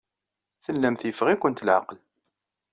Tellamt yeffeɣ-ikent leɛqel.